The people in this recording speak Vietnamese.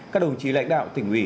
các đồng chí lãnh đạo tỉnh ủy